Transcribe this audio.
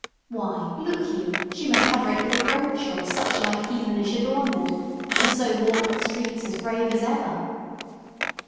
Why, look you, she may cover it with a brooch, or such like heathenish adornment, and so walk the streets as brave as ever!"